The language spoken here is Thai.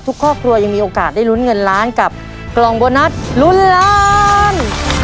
ครอบครัวยังมีโอกาสได้ลุ้นเงินล้านกับกล่องโบนัสลุ้นล้าน